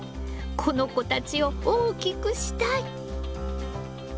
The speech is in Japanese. この子たちを大きくしたい！